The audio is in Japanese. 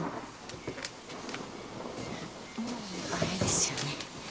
もうあれですよね。